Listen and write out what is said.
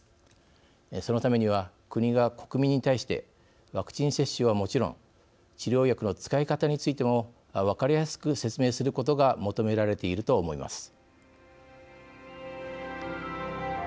そのためには、国が国民に対してワクチン接種はもちろん治療薬の使い方についても分かりやすく説明することが求められていると思います。